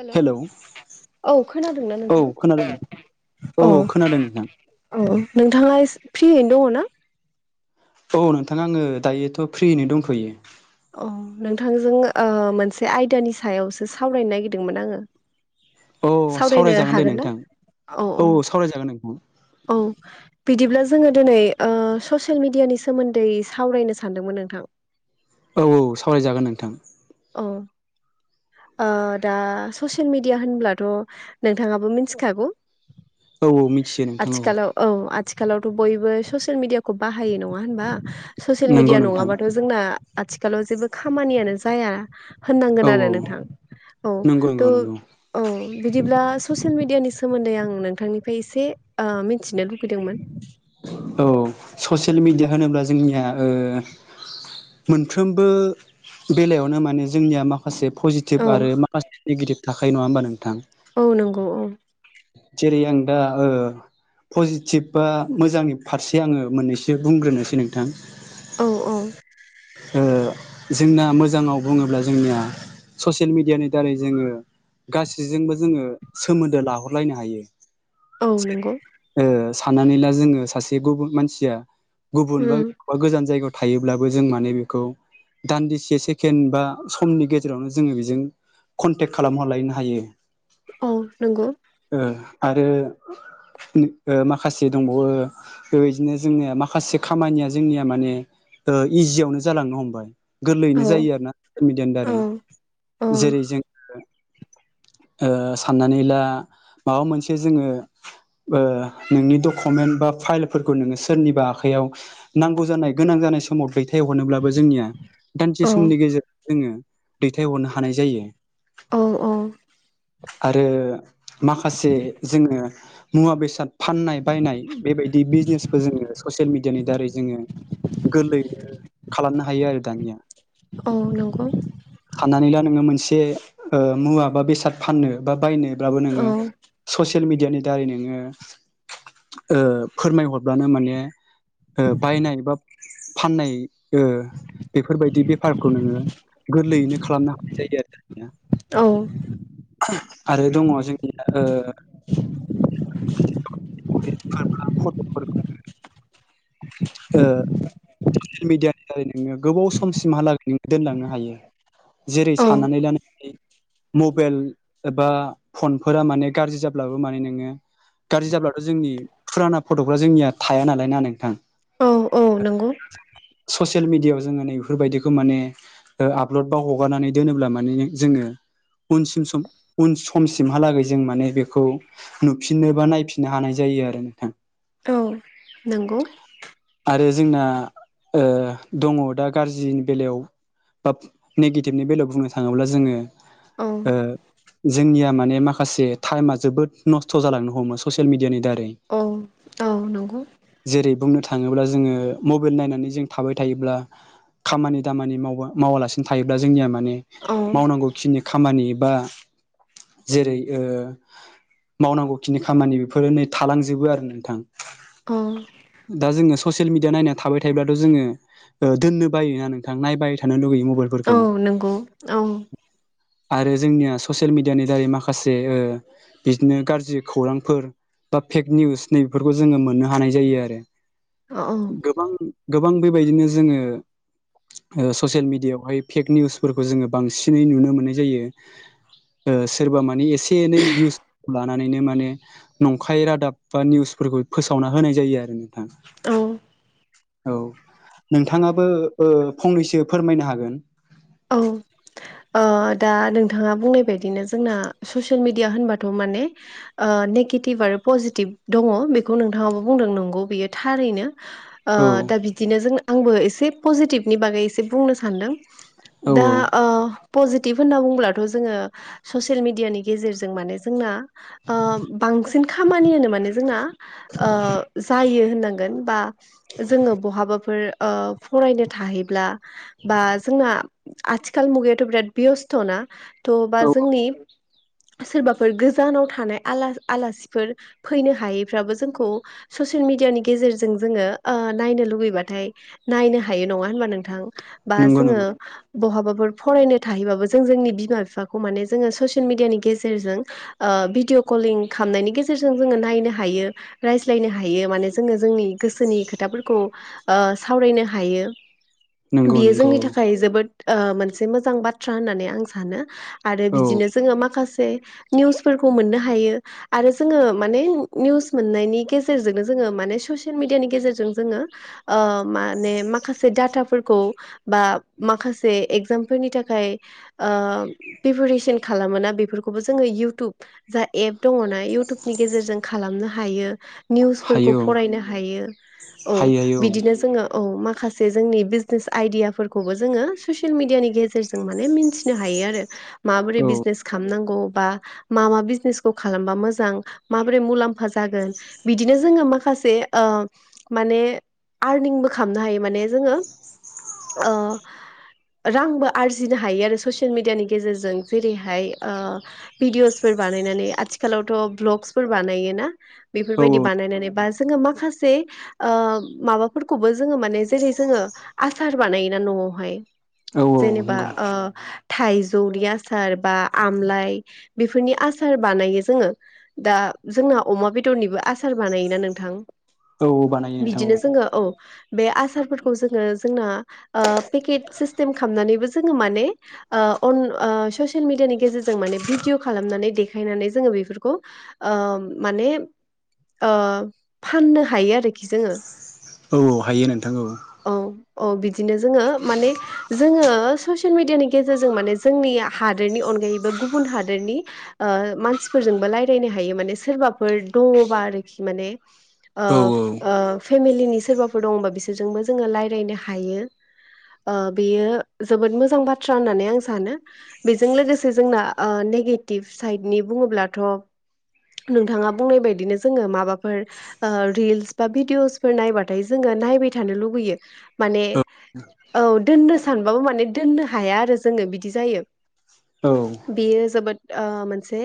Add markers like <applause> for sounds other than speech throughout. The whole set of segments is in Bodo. हेल' हेलौ औ खोनादोंना औ नोंथां खोनादों <unintelligible> औ औ खोनादों नोंथां। औ नोंथाङा इस फ्रियैनो दङ ना? औ नोंथाङा आङो दायोथ' फ्रियैनो दंथयो। अ नोंथांजों मोनसे आयदानि सायावसो सावरायनो नागिरदोंमोन आङो औ सावरायनो सावरायजागोन दे हागोन ना नोंथां औ औ औ बिदिब्ला जोङो दिनै ससियेल मिडियानि सोमोन्दै सावरायनो सानदोंमोन नोंथां। औ औ सावरायजागोन नोंथां अ दा ससियेल मिडिया होनब्लाथ' नोंथाङाबो मिथिखागौ औ औ मिथियो नोंथां आजखालाव औ आ आथिखालावथ' बयबो ससियेल मिडियाखौ बाहायो नङा होनबा। ससियेल नंगौ मिडिया नोंथां नङाबाथ' जोंना आथिखालाव जेबो खामानियानो जाया। औ होननांगोन आरो औ नोंथां औ नंगौ नंगौ थ' नंगौ औ बिदिब्ला ससियेल मिडियानि सोमोन्दै आं नोंथांनिफ्राय एसे मिथिनो लुबैदोंमोन। औ ससियेल मिेडिया होनोब्ला जोंनिया मोनफ्रोमबो बेलायावनो माने जोंनिया मा माखासे औ पजिटिभ आरो माखासे नेगेटिभ थाखायो नङा होमबा नोंथां? औ नंगौ औ जेरै आं दा पजिटिभ बा मोजांनि फारसे आङो मोननैसो बुंग्रोनोसै नोंथां। औ औ ओ जोंना मोजाङाव बुङोब्ला जोंनिया ससियेल मिडियानि दारै जोङो गासैजोंबो जोङो सोमोन्दो लाहरलायनो हायो। औ नंगौ सनानै जो सासे मानसिया गुब उम बाा गो जायायाव थायोब्लाबो जों माने बेखौ दान्दिसे सेकेणड बा समनि गेजेरावनो जोङो बेजों कन्टेक्ट खालामहरलायनो हायो। औ नंगौ आरो माखासे दंबावो बेदिनो जोंनिया माखासे खामानिया जोंनिया मानेष इजियावनो जालांनो हमबाय। गोरलैयैनो औ जायो आरो ना मिडियनि औ दारै जेरै जोंङ साननानै ला माबा मोनसे जोङो नोंनि डकुमेन्ट बा फाइलफोरखौ नोङो सोरनिबा आखाइयाव नांगौ जानाय गोनां जानाय समावै दैथाय हरनोब्लाबो जोंनिया दानसे समनि गेजेराव जोङो दैथायहरनो हानाय जायो। औ औ आरो माखासे जोङो मुवा बेसाद फाननाय बायनाय बेबायदि बिजनेसबो जोङो ससियेल मिेडियानि दारै जोङो गोरलै खालामनो हायो आरो दानिया। औ नंगौ साननानै ला नोङो मोनसे। जे मुवा बा बेसाद फाननो बा बायनोब्लाबो नोङो औ ससियेल मिडियानि दारै नोङो फोरमायहरब्लानो माने बायनाय बा फाननाय बेफोरबायदि बेफारखौ नोङो गोरलैयैनो खालामना हानाय जायो आरो। औ आरो दङ जोंनि ओ <inaudible> <inaudible> ससियेल मिडियानि दारै नोङो गोबाव समसिमहालागै नोङो दोनलांनो हायो। जेरै औ साननानै ला नोंनि मबाइल एबा फनफोरा माने गाज्रि जाब्लाबो माने नोङो गाज्रि जाब्लाथ' जोंनि फुराना फट'फ्रा जोंनिया थाया नालाय ना नोंथां? औ औ नंगौ। <inaudible> ससियेल मिडियायाव जोङो नैेफोरबायदिखौ माने आपलड बा हगारनानै दोनोब्ला माने जोङो उनसिम उन समसिमहालागै जों माने बेखौ नुफिननो बा नायफिननो हानाय जायो। जायो आरो नोंथां। औ नंगौ। आरो जोंना दङ दा गाज्रिनि बेलायाव बा नेगेटिभनि बेलायाव बुंनो थाङोब्ला जोङो औ। ओ जोंनिया माने माखासे टाइमा जोबोद नस्थ' जालांनो हमो ससियेल मिडियानि औ औ नंगौ जेरै बुंनो थाङोब्ला जोङो मबाइल नायनानै जों थाबाय थायोब्ला खामानि दामानि माव मावालासिनो थायोब्ला जोंनिया माने औ मावनांगौ खिनि खामानि बा जेरै ओ मावनांगौ खिनि खामानि बेफोरो नै थालांजोबो आरो नोंथां। औ। दा जोङो ससियेल मिडिया नायनानै थाबाय थायोब्लाथ' जोङो दोन्नो बायोना नोंथां नायबाय थानो लुगैयो औ मबाइलफोरखौ। नंगौ औ आरो जोंनिया ससियेल मिडियानि दारै माखासे ओ बिदिनो गाज्रि खौरांफोर बा फेक निउस नैबफोरखौ जोङो मोननो हानाय जायो आरो। औ गोबां गोबां बेबायदिनो जोङो ससियेल मिडियायावहाय फेक निउसफोरखौ जोङो बांसिनै नुनो मोननाय जायो। सोरबा मानि एसे एनै भिउस ब्ला लानानैनो माने नंखाय रादाब बा निउसफोरखौ फोसावना होनाय जायो आरो नोंथां। औ। औ नोंथाङाबो फंनैसो फोरमायनो हागोन। अ दा नोंथाङा बुंनाय बायदिनो जोंना ससियेल मिडिया होनबाथ' माने ओ नेगेटिभ आरो पजिटिभ दङ बेखौ नोंथाङाबो बुंदों नंगौ बियो थारैनो। अ औ दा बिदिनो जों आंबो एसे पजिटिभनि बागै एसे बुंनो सान्दों। औ दा ओ पजिटिभ होनना बुंङोब्लाथ' जोङो ससियेल मिडियानि गेजेरजों माने जोंना ओ बांसिन खामानि होनो‌ माने जोंना ओ जायो‌‌ होननांगोन बा जोङो‌‌ बहाबा माबिफोर ओ फरायनो थाहैब्ला बा जोंना आथिखाल मुगायाथ' बिराद बेस्थ'ना थ' बा जोंनि सोरबाफोर गोजानाव थानाय आलासिफोर फैनो हायैफ्राबो जोंखौ ससियेल मिडियानि गेजेरजों जोङो ओ नायनो लुुबैबाथाय नायनो हायो नङा होनबा नोंथां? बा नंगौ जोङो नंगौ बहाबाफोर फरायनो थाहैबाबो जों जोंनि बिमा बिफाखौ माने जोङो ससियेल मिडियानि गेजेरजों ओ भिडिअ कलिं खालामनायनि गेजेरजों जोङो नायनो हायो रायज्लायनो हायो माने जोङो जोंनि गोसो गावसोनि खोथाफोरखौ ओ सावरायनो हायो। नंगौ बियो नंगौ जोंनि औ थाखाय जोबोद ओ मोनसे मोजां बाथ्रा होननानै आं सानो। आरो औ बिदिनो जोङो माखासे निउसफोरखौ मोननो हायो आरो जोङो माने निउस मोननायनि गेजेरजोंनो जों माने ससियेल‌ मिदियानि गेजेरजों ओ माने माखासे‌ दाथा फोरखौ बा माखासे जे एगजामफोरनि थाखाय ओ प्रिपेरेसन खालामोना बेफोरखौबो जोङो इयउटुब जा एप दङना इउटुबनि गेजेरजों खालामनो हायो। निउसफोरखौ हायो औ फरायनो हायो औ हायो हायो बिदिनो जोङो। औ माखासे जोंनि बिजनेस आइडियाफोरखौबो जोङो ससियेल मिडियानि गेजेरजों माने मिथिनो हायो आरो माबोरै औ बिजनेस खालामनांगौ। बा मा मा बिजने खालामबा मोजां माबोरै मुलाम्फा जागोन बिदिनो जोङो माखख माखासे ओ माने आरनिं बो खामनो हायो जोङो। औ। रांबो आरजिनो हायो आरो ससियेल मिडियानि गेजेरजों जेरैहाय ओ भिडिअसफोर बा बानायनानै आथिखालावथ ब्लक्स फोर बानायोना औ बेफोरबादि बानायनानै बा जोङो माखासे ओ माबाफोरखौबो जोङो माने जेरै जोङो आसार बानायोना न वाहाय। औ। औ जेनेबा नंगौ ओ थाइजौनि आसार बा आमलाय बेफोरनि आसार बान बानायो जोङो दा जोंना अमा बेदरनिबो आसार बानायोना नोंथां। औ औ बानायो नोंथां बिदिनो जोङो औ। बे आसारफोरखौ जोङो जोंना ओ पेकेट सिस्टेम खालामनानैबो जोङो माने ओ अन ओ ससियेल मिडियानि गेजेरजों माने भिडिअ खालाम नानै देखनानै जों बेफोरखौ ओ माने ओ फाननो हायो आरोखि जोङो। औ औ हायो नोंथां औ। औ बिदिनो जोङो माने जोङो ससियेल मिडियानि गेजेरजों माने जोंनि हादोरनि अनगायैबो गुबुन हादोरनि ओ मानसिफोरजोंबो रायज्लायनो हायो माने सोरबाफोर दङबा आरोखि माने। ओ औ औ ओ। फेमिलिनि सोरबाफोर दङबा बिसोरजोंबो जोङो रायलायनो हायो। ओ बेयो जोबोद मोजां बाथ्रा होननानै आं सानो बेजों लोगोसे जोंना ओ नेगे टिब साइदनि बुङोब्लाथ नोंथाङा बुंनाय बायदिनो जोङो माबाफोर ओ रिल्स बा भिडिअसफोर नायबाथाय जोङो नायबाय थानो लुबैयो माने औ दोननो सानबाबो माने दोननो हाया आरो जोङो बिदि जायो। औ। बेयो जोबोद ओ मोनसे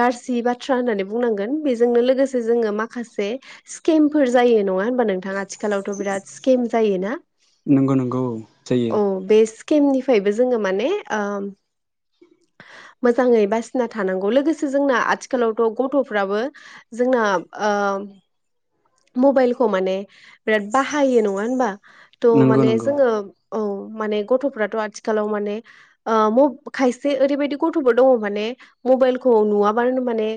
गाज्रि बाथ्रा होननानै बुंनांगोन बेजोंनो लोगोसे जोङ माखासे स्केमफोर जायो नङा हबा नोंथाङा आथिखालावथ बिराद स्केम जायोना। नंगौ नंगौ जायो। केमनिफ्रायबो जोङो माने ओम <inaudible> मोजाङै बासिना थानांगौ लोगोसे जोंना आथिखालावथ गथफ्राबो जोंना ओ ओम मबाइलखौ माने बिराद बाहायो नङा होनबा? थ' नंगौ माने नंगौ। जोङो औ माने गथफ्राथ आथिखालाव माने ओ म खायसे ओरैबायदि गथफोर दङ माने मबाइलखौ नुवाबानो माने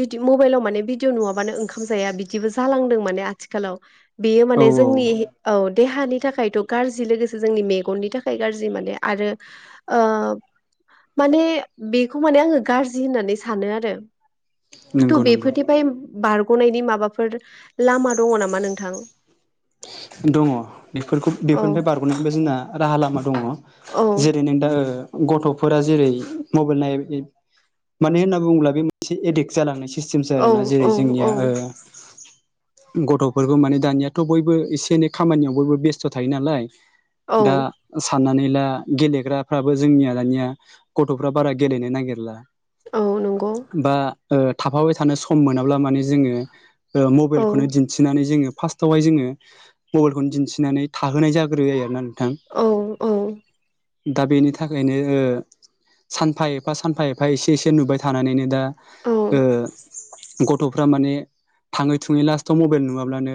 बिदि मबाइलाव माने भिडिअ नुवाबानो ओंखाम जाया बिदिबो जालांदों। माने आथिखालाव बेयो औ माने औ जोंनि औ देहानि थाखायथ गाज्रि लोगोसे जोंनि मेगननि थाखाय गाज्रि माने आरो ओ माने बेखौ माने आङो गाज्रि होननानै सानो आरो। थु नंगौ नंगौ बेफोथेफाय बारगनायनि माबाफोर लामा दङ नामा नोंथां? दङ बेफोरखौ औ बेफोरनिफ्राय बारगनानैबो जोंना राहा लामा दङ। औ जेरै नों द ओ गथफोरा जेरै मबाइल नाय मानो होनना बुङोब्ला बे मोनसे एडिक्ट जालांनायसो। जिफ औ जागोना औ जेरै औ जोंनिया ओ गथफोरखौ माने दानियाथ बयबो एस नि खामानियाव बयबो बेस्थ थायो नालाय दा औ सा साननानै ला गेलेग्राफ्राबो जोंनिया दानिया गथफ्रा बारा गेलेनो नागिरला औ नंगौ बा ओ थाफाबाय थानो सम मोनाब्ला माने जोङो ओ औ मबाइलखौनो दिन्थिनानै जोङो फार्स्टावहाय जोङो मबाइलखौनो दिन्थिनानै थाहोनाय जाग्रोयो आरोना नोंथां औ औ दा बेनि थाखायनो ओ सानफा एफा सानफा एफा एसे एसे नुबाय थानानैनो दा औ ओ गथ'फ्रा माने थाङै थुङै लास्टाव मबाइल नुवाब्लानो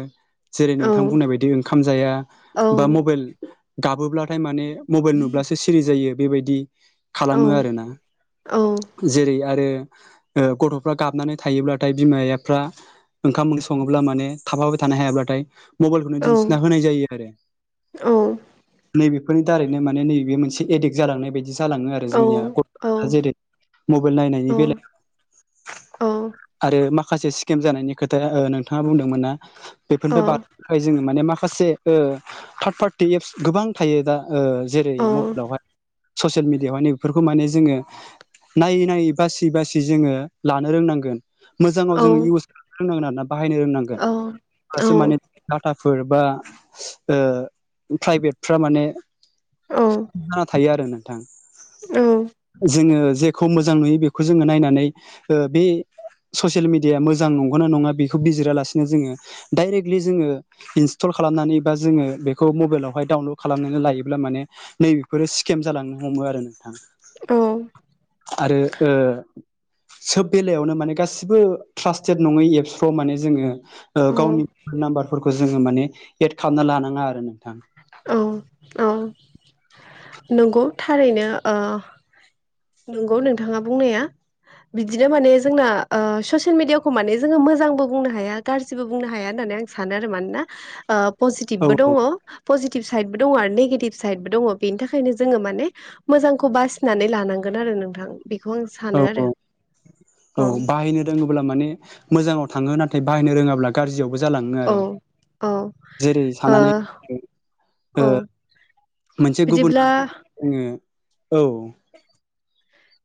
जेरै औ नोंथां बुंनाय बाय दि ओंखाम जाया औ बा मबाइल गाबोब्लाथाय माने मबाइल नुब्लासो सिरि जायो बेबायदि औ खालामो आरोना औ जेरै आरो ओ गथ'फ्रा गाबनानै थायोब्लाथाय बिमाफ्रा ओंखाम ओंख्रि सङोब्ला माने थाफाबाय थानो हायाब्लाथाय मबाइलखौनो दिन्थिना होनाय जायो आरो नैबे फोरनि दारैनो माने नैबे मोनसे एडिक्ट जालांनाय बायदि जालाङो आरो जोंनिया गथ'फ्रा जेरै मबाइल नायनायनि बेलायाव औ आरो मा माखासे स्किम जानायनि खोथाया ओ नोंथाङा बुंदोंमोन ना औ औ बेफोरनि बारनो थाखाय जोङो माने मा खासे ओ थार्द पार्टि एप्स गोबां थायो दा ओ जेरै औ मबाइलावहाय ससियेल मेडियाव माने बेफोरखौ माने जोङो नायै नायै बासि बासि जोङो लानो रोंनांगोन मोजाङाव जोङो इउस खालामनो रोंनांगोन आरोना बाहायनो रोंनांगोन अब्लासो माने डाटाफोर बा ओ प्राइभेटफ्रा माने जाना थायो आरो नों थां जोङो जेखौ मोजां नुयो बेखौ जोङो नायनानै ओ बे ससियेल मिडिया मोजां नंगौना नङा बेखौ बिजिरालासिनो जोङो डाइरेक्टलि जोङो इन सटल खालामनानै बा जोङो बेखौ मबाइलावहाय डाउनलड खालामनानै लायोब्ला माने नैबेफोरो स्केम जालांनो हमो आरो नोंथां आरो ओ सोब बेलायावनो माने गासिबो ट्रासस्टेट नङै एप्सफ्राव माने जोङो ओ गावनि मबाइल नाम्बारफोरखौ जोङो माने एद खालामना लानाङा आरो नों औ औ नंगौ थारैनो ओ नंगौ नोंथाङा बुंनाया बिदिनो माने जोंना ओ ससियेल मिडियाखौ माने जोङो मोजांबो बुंनो हाया गाज्रिबो बुंनो हाया होनना नै सानो आरो मानोना ओ औ पजिटिभबो दङ औ पजिटिभ साइदबो दङ आरो नेगेटिभ साइदबो दङ बेनि थाखायनो जोङो माने मोजांखौ बासिनानै लानांगोन आरो नोंथां बेखौ आं औ सानो औ आरो औ बाहायनो रोङोब्ला माने मोजाङाव थाङो नाथाय बाहायनो रोङाब्ला गाज्रियाव बो जालाङो औ आरो औ जेरै ओ सानानै ओ औ मोनसे गुबुन बिदिब्ला ओम औ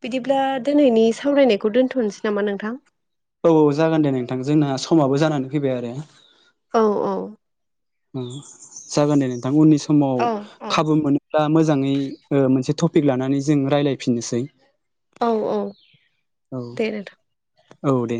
बिदिब्ला दिनैनि सावरायनायखौ दोन्थ'नोसै नामा नोंथां औ औ जागोन दे नोंथां जोंना समाबो जानानै फैबाय आरो औ ओम जागोन दे नोंथां उननि स माव औ औ खाबु मोनोब्ला मोजाङै ओ मोनसे टि पिक लानानै जों रायलायफिननोसै औ औ दे नोंथां औ दे